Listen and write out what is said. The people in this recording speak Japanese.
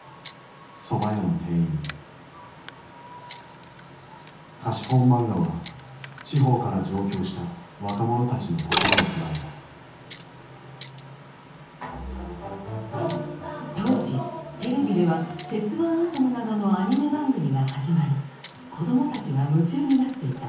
そば屋の店員貸本マンガは地方から上京した若者たちの心を捉えた当時テレビでは「鉄腕アトム」などのアニメ番組が始まり子どもたちが夢中になっていた。